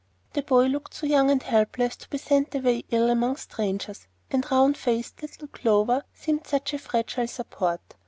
The boy looked so young and helpless to be sent away ill among strangers, and round faced little Clover seemed such a fragile support!